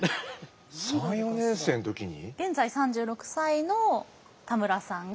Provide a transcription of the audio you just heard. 現在３６歳の田村さんが。